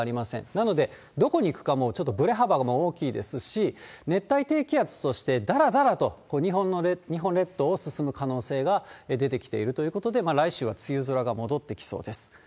なので、どこに行くか、もうちょっとぶれ幅が大きいですし、熱帯低気圧としてだらだらと日本列島を進む可能性が出てきているということで、来週は梅雨空が戻ってきそうです。